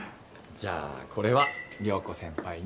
じゃあこれは涼子先輩に。